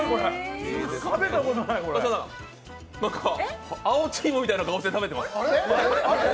盛山さん、なんか、青チームみたいな顔して食べてます。